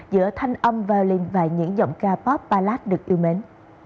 giữa thanh âm violin và những giọng ca pop ballad được yêu mến